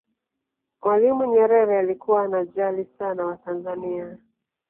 mwalimu nyerere alikuwa anajali sana watanzania